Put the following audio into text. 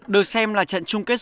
được xem là trận chung kết